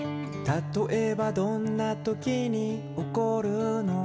「たとえばどんな時におこるの？」